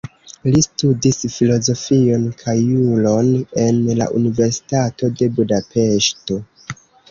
Li studis filozofion kaj juron en la Universitato de Budapeŝto.